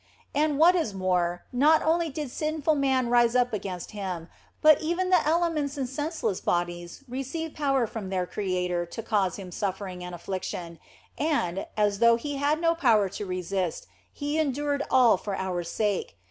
And what is more, not only did sinful man rise up against Him, but even the elements and senseless bodies received power from their Creator to cause Him suffering and affliction, and, as though He had no power to resist, OF FOLIGNO 57 He endured all for our sake.